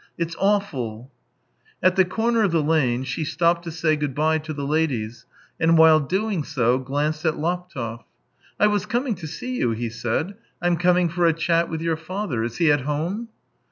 " It's awful !" At the corner of the lane, she stopped to say good bye to the ladies, and while doing so glanced at Laptev. " I was coming to see you," he said. " I'm coming for a chat with your father. Is he at home